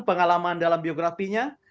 pengalaman dalam biografinya